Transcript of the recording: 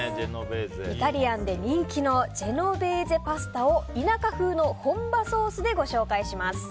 イタリアンで人気のジェノベーゼパスタを田舎風の本場ソースでご紹介します。